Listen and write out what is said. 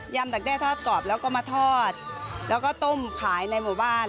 ดักแด้ทอดกรอบแล้วก็มาทอดแล้วก็ต้มขายในหมู่บ้าน